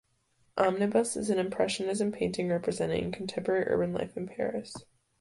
Omnibus is an Impressionism painting representing contemporary urban life in Paris.